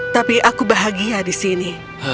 tapi aku bahagia di sini